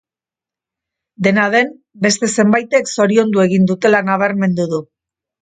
Dena den, beste zenbaitek zoriondu egin dutela nabarmendu du.